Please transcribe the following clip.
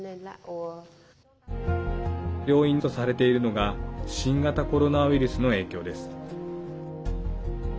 要因とされているのが新型コロナウイルスの影響です。